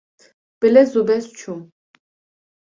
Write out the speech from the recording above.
bi lez û bez çûm